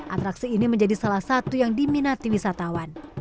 atraksi ini menjadi salah satu yang diminati wisatawan